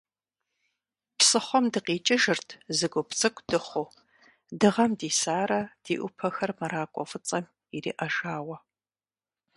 Псыхъуэм дыкъикӏыжырт, зы гуп цӏыкӏу дыхъуу, дыгъэм дисарэ, ди ӏупэхэр мэракӏуэ фӏыцӏэм ириӏэжауэ.